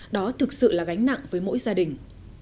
đó thực sự là gánh nặng với mỗi gia đình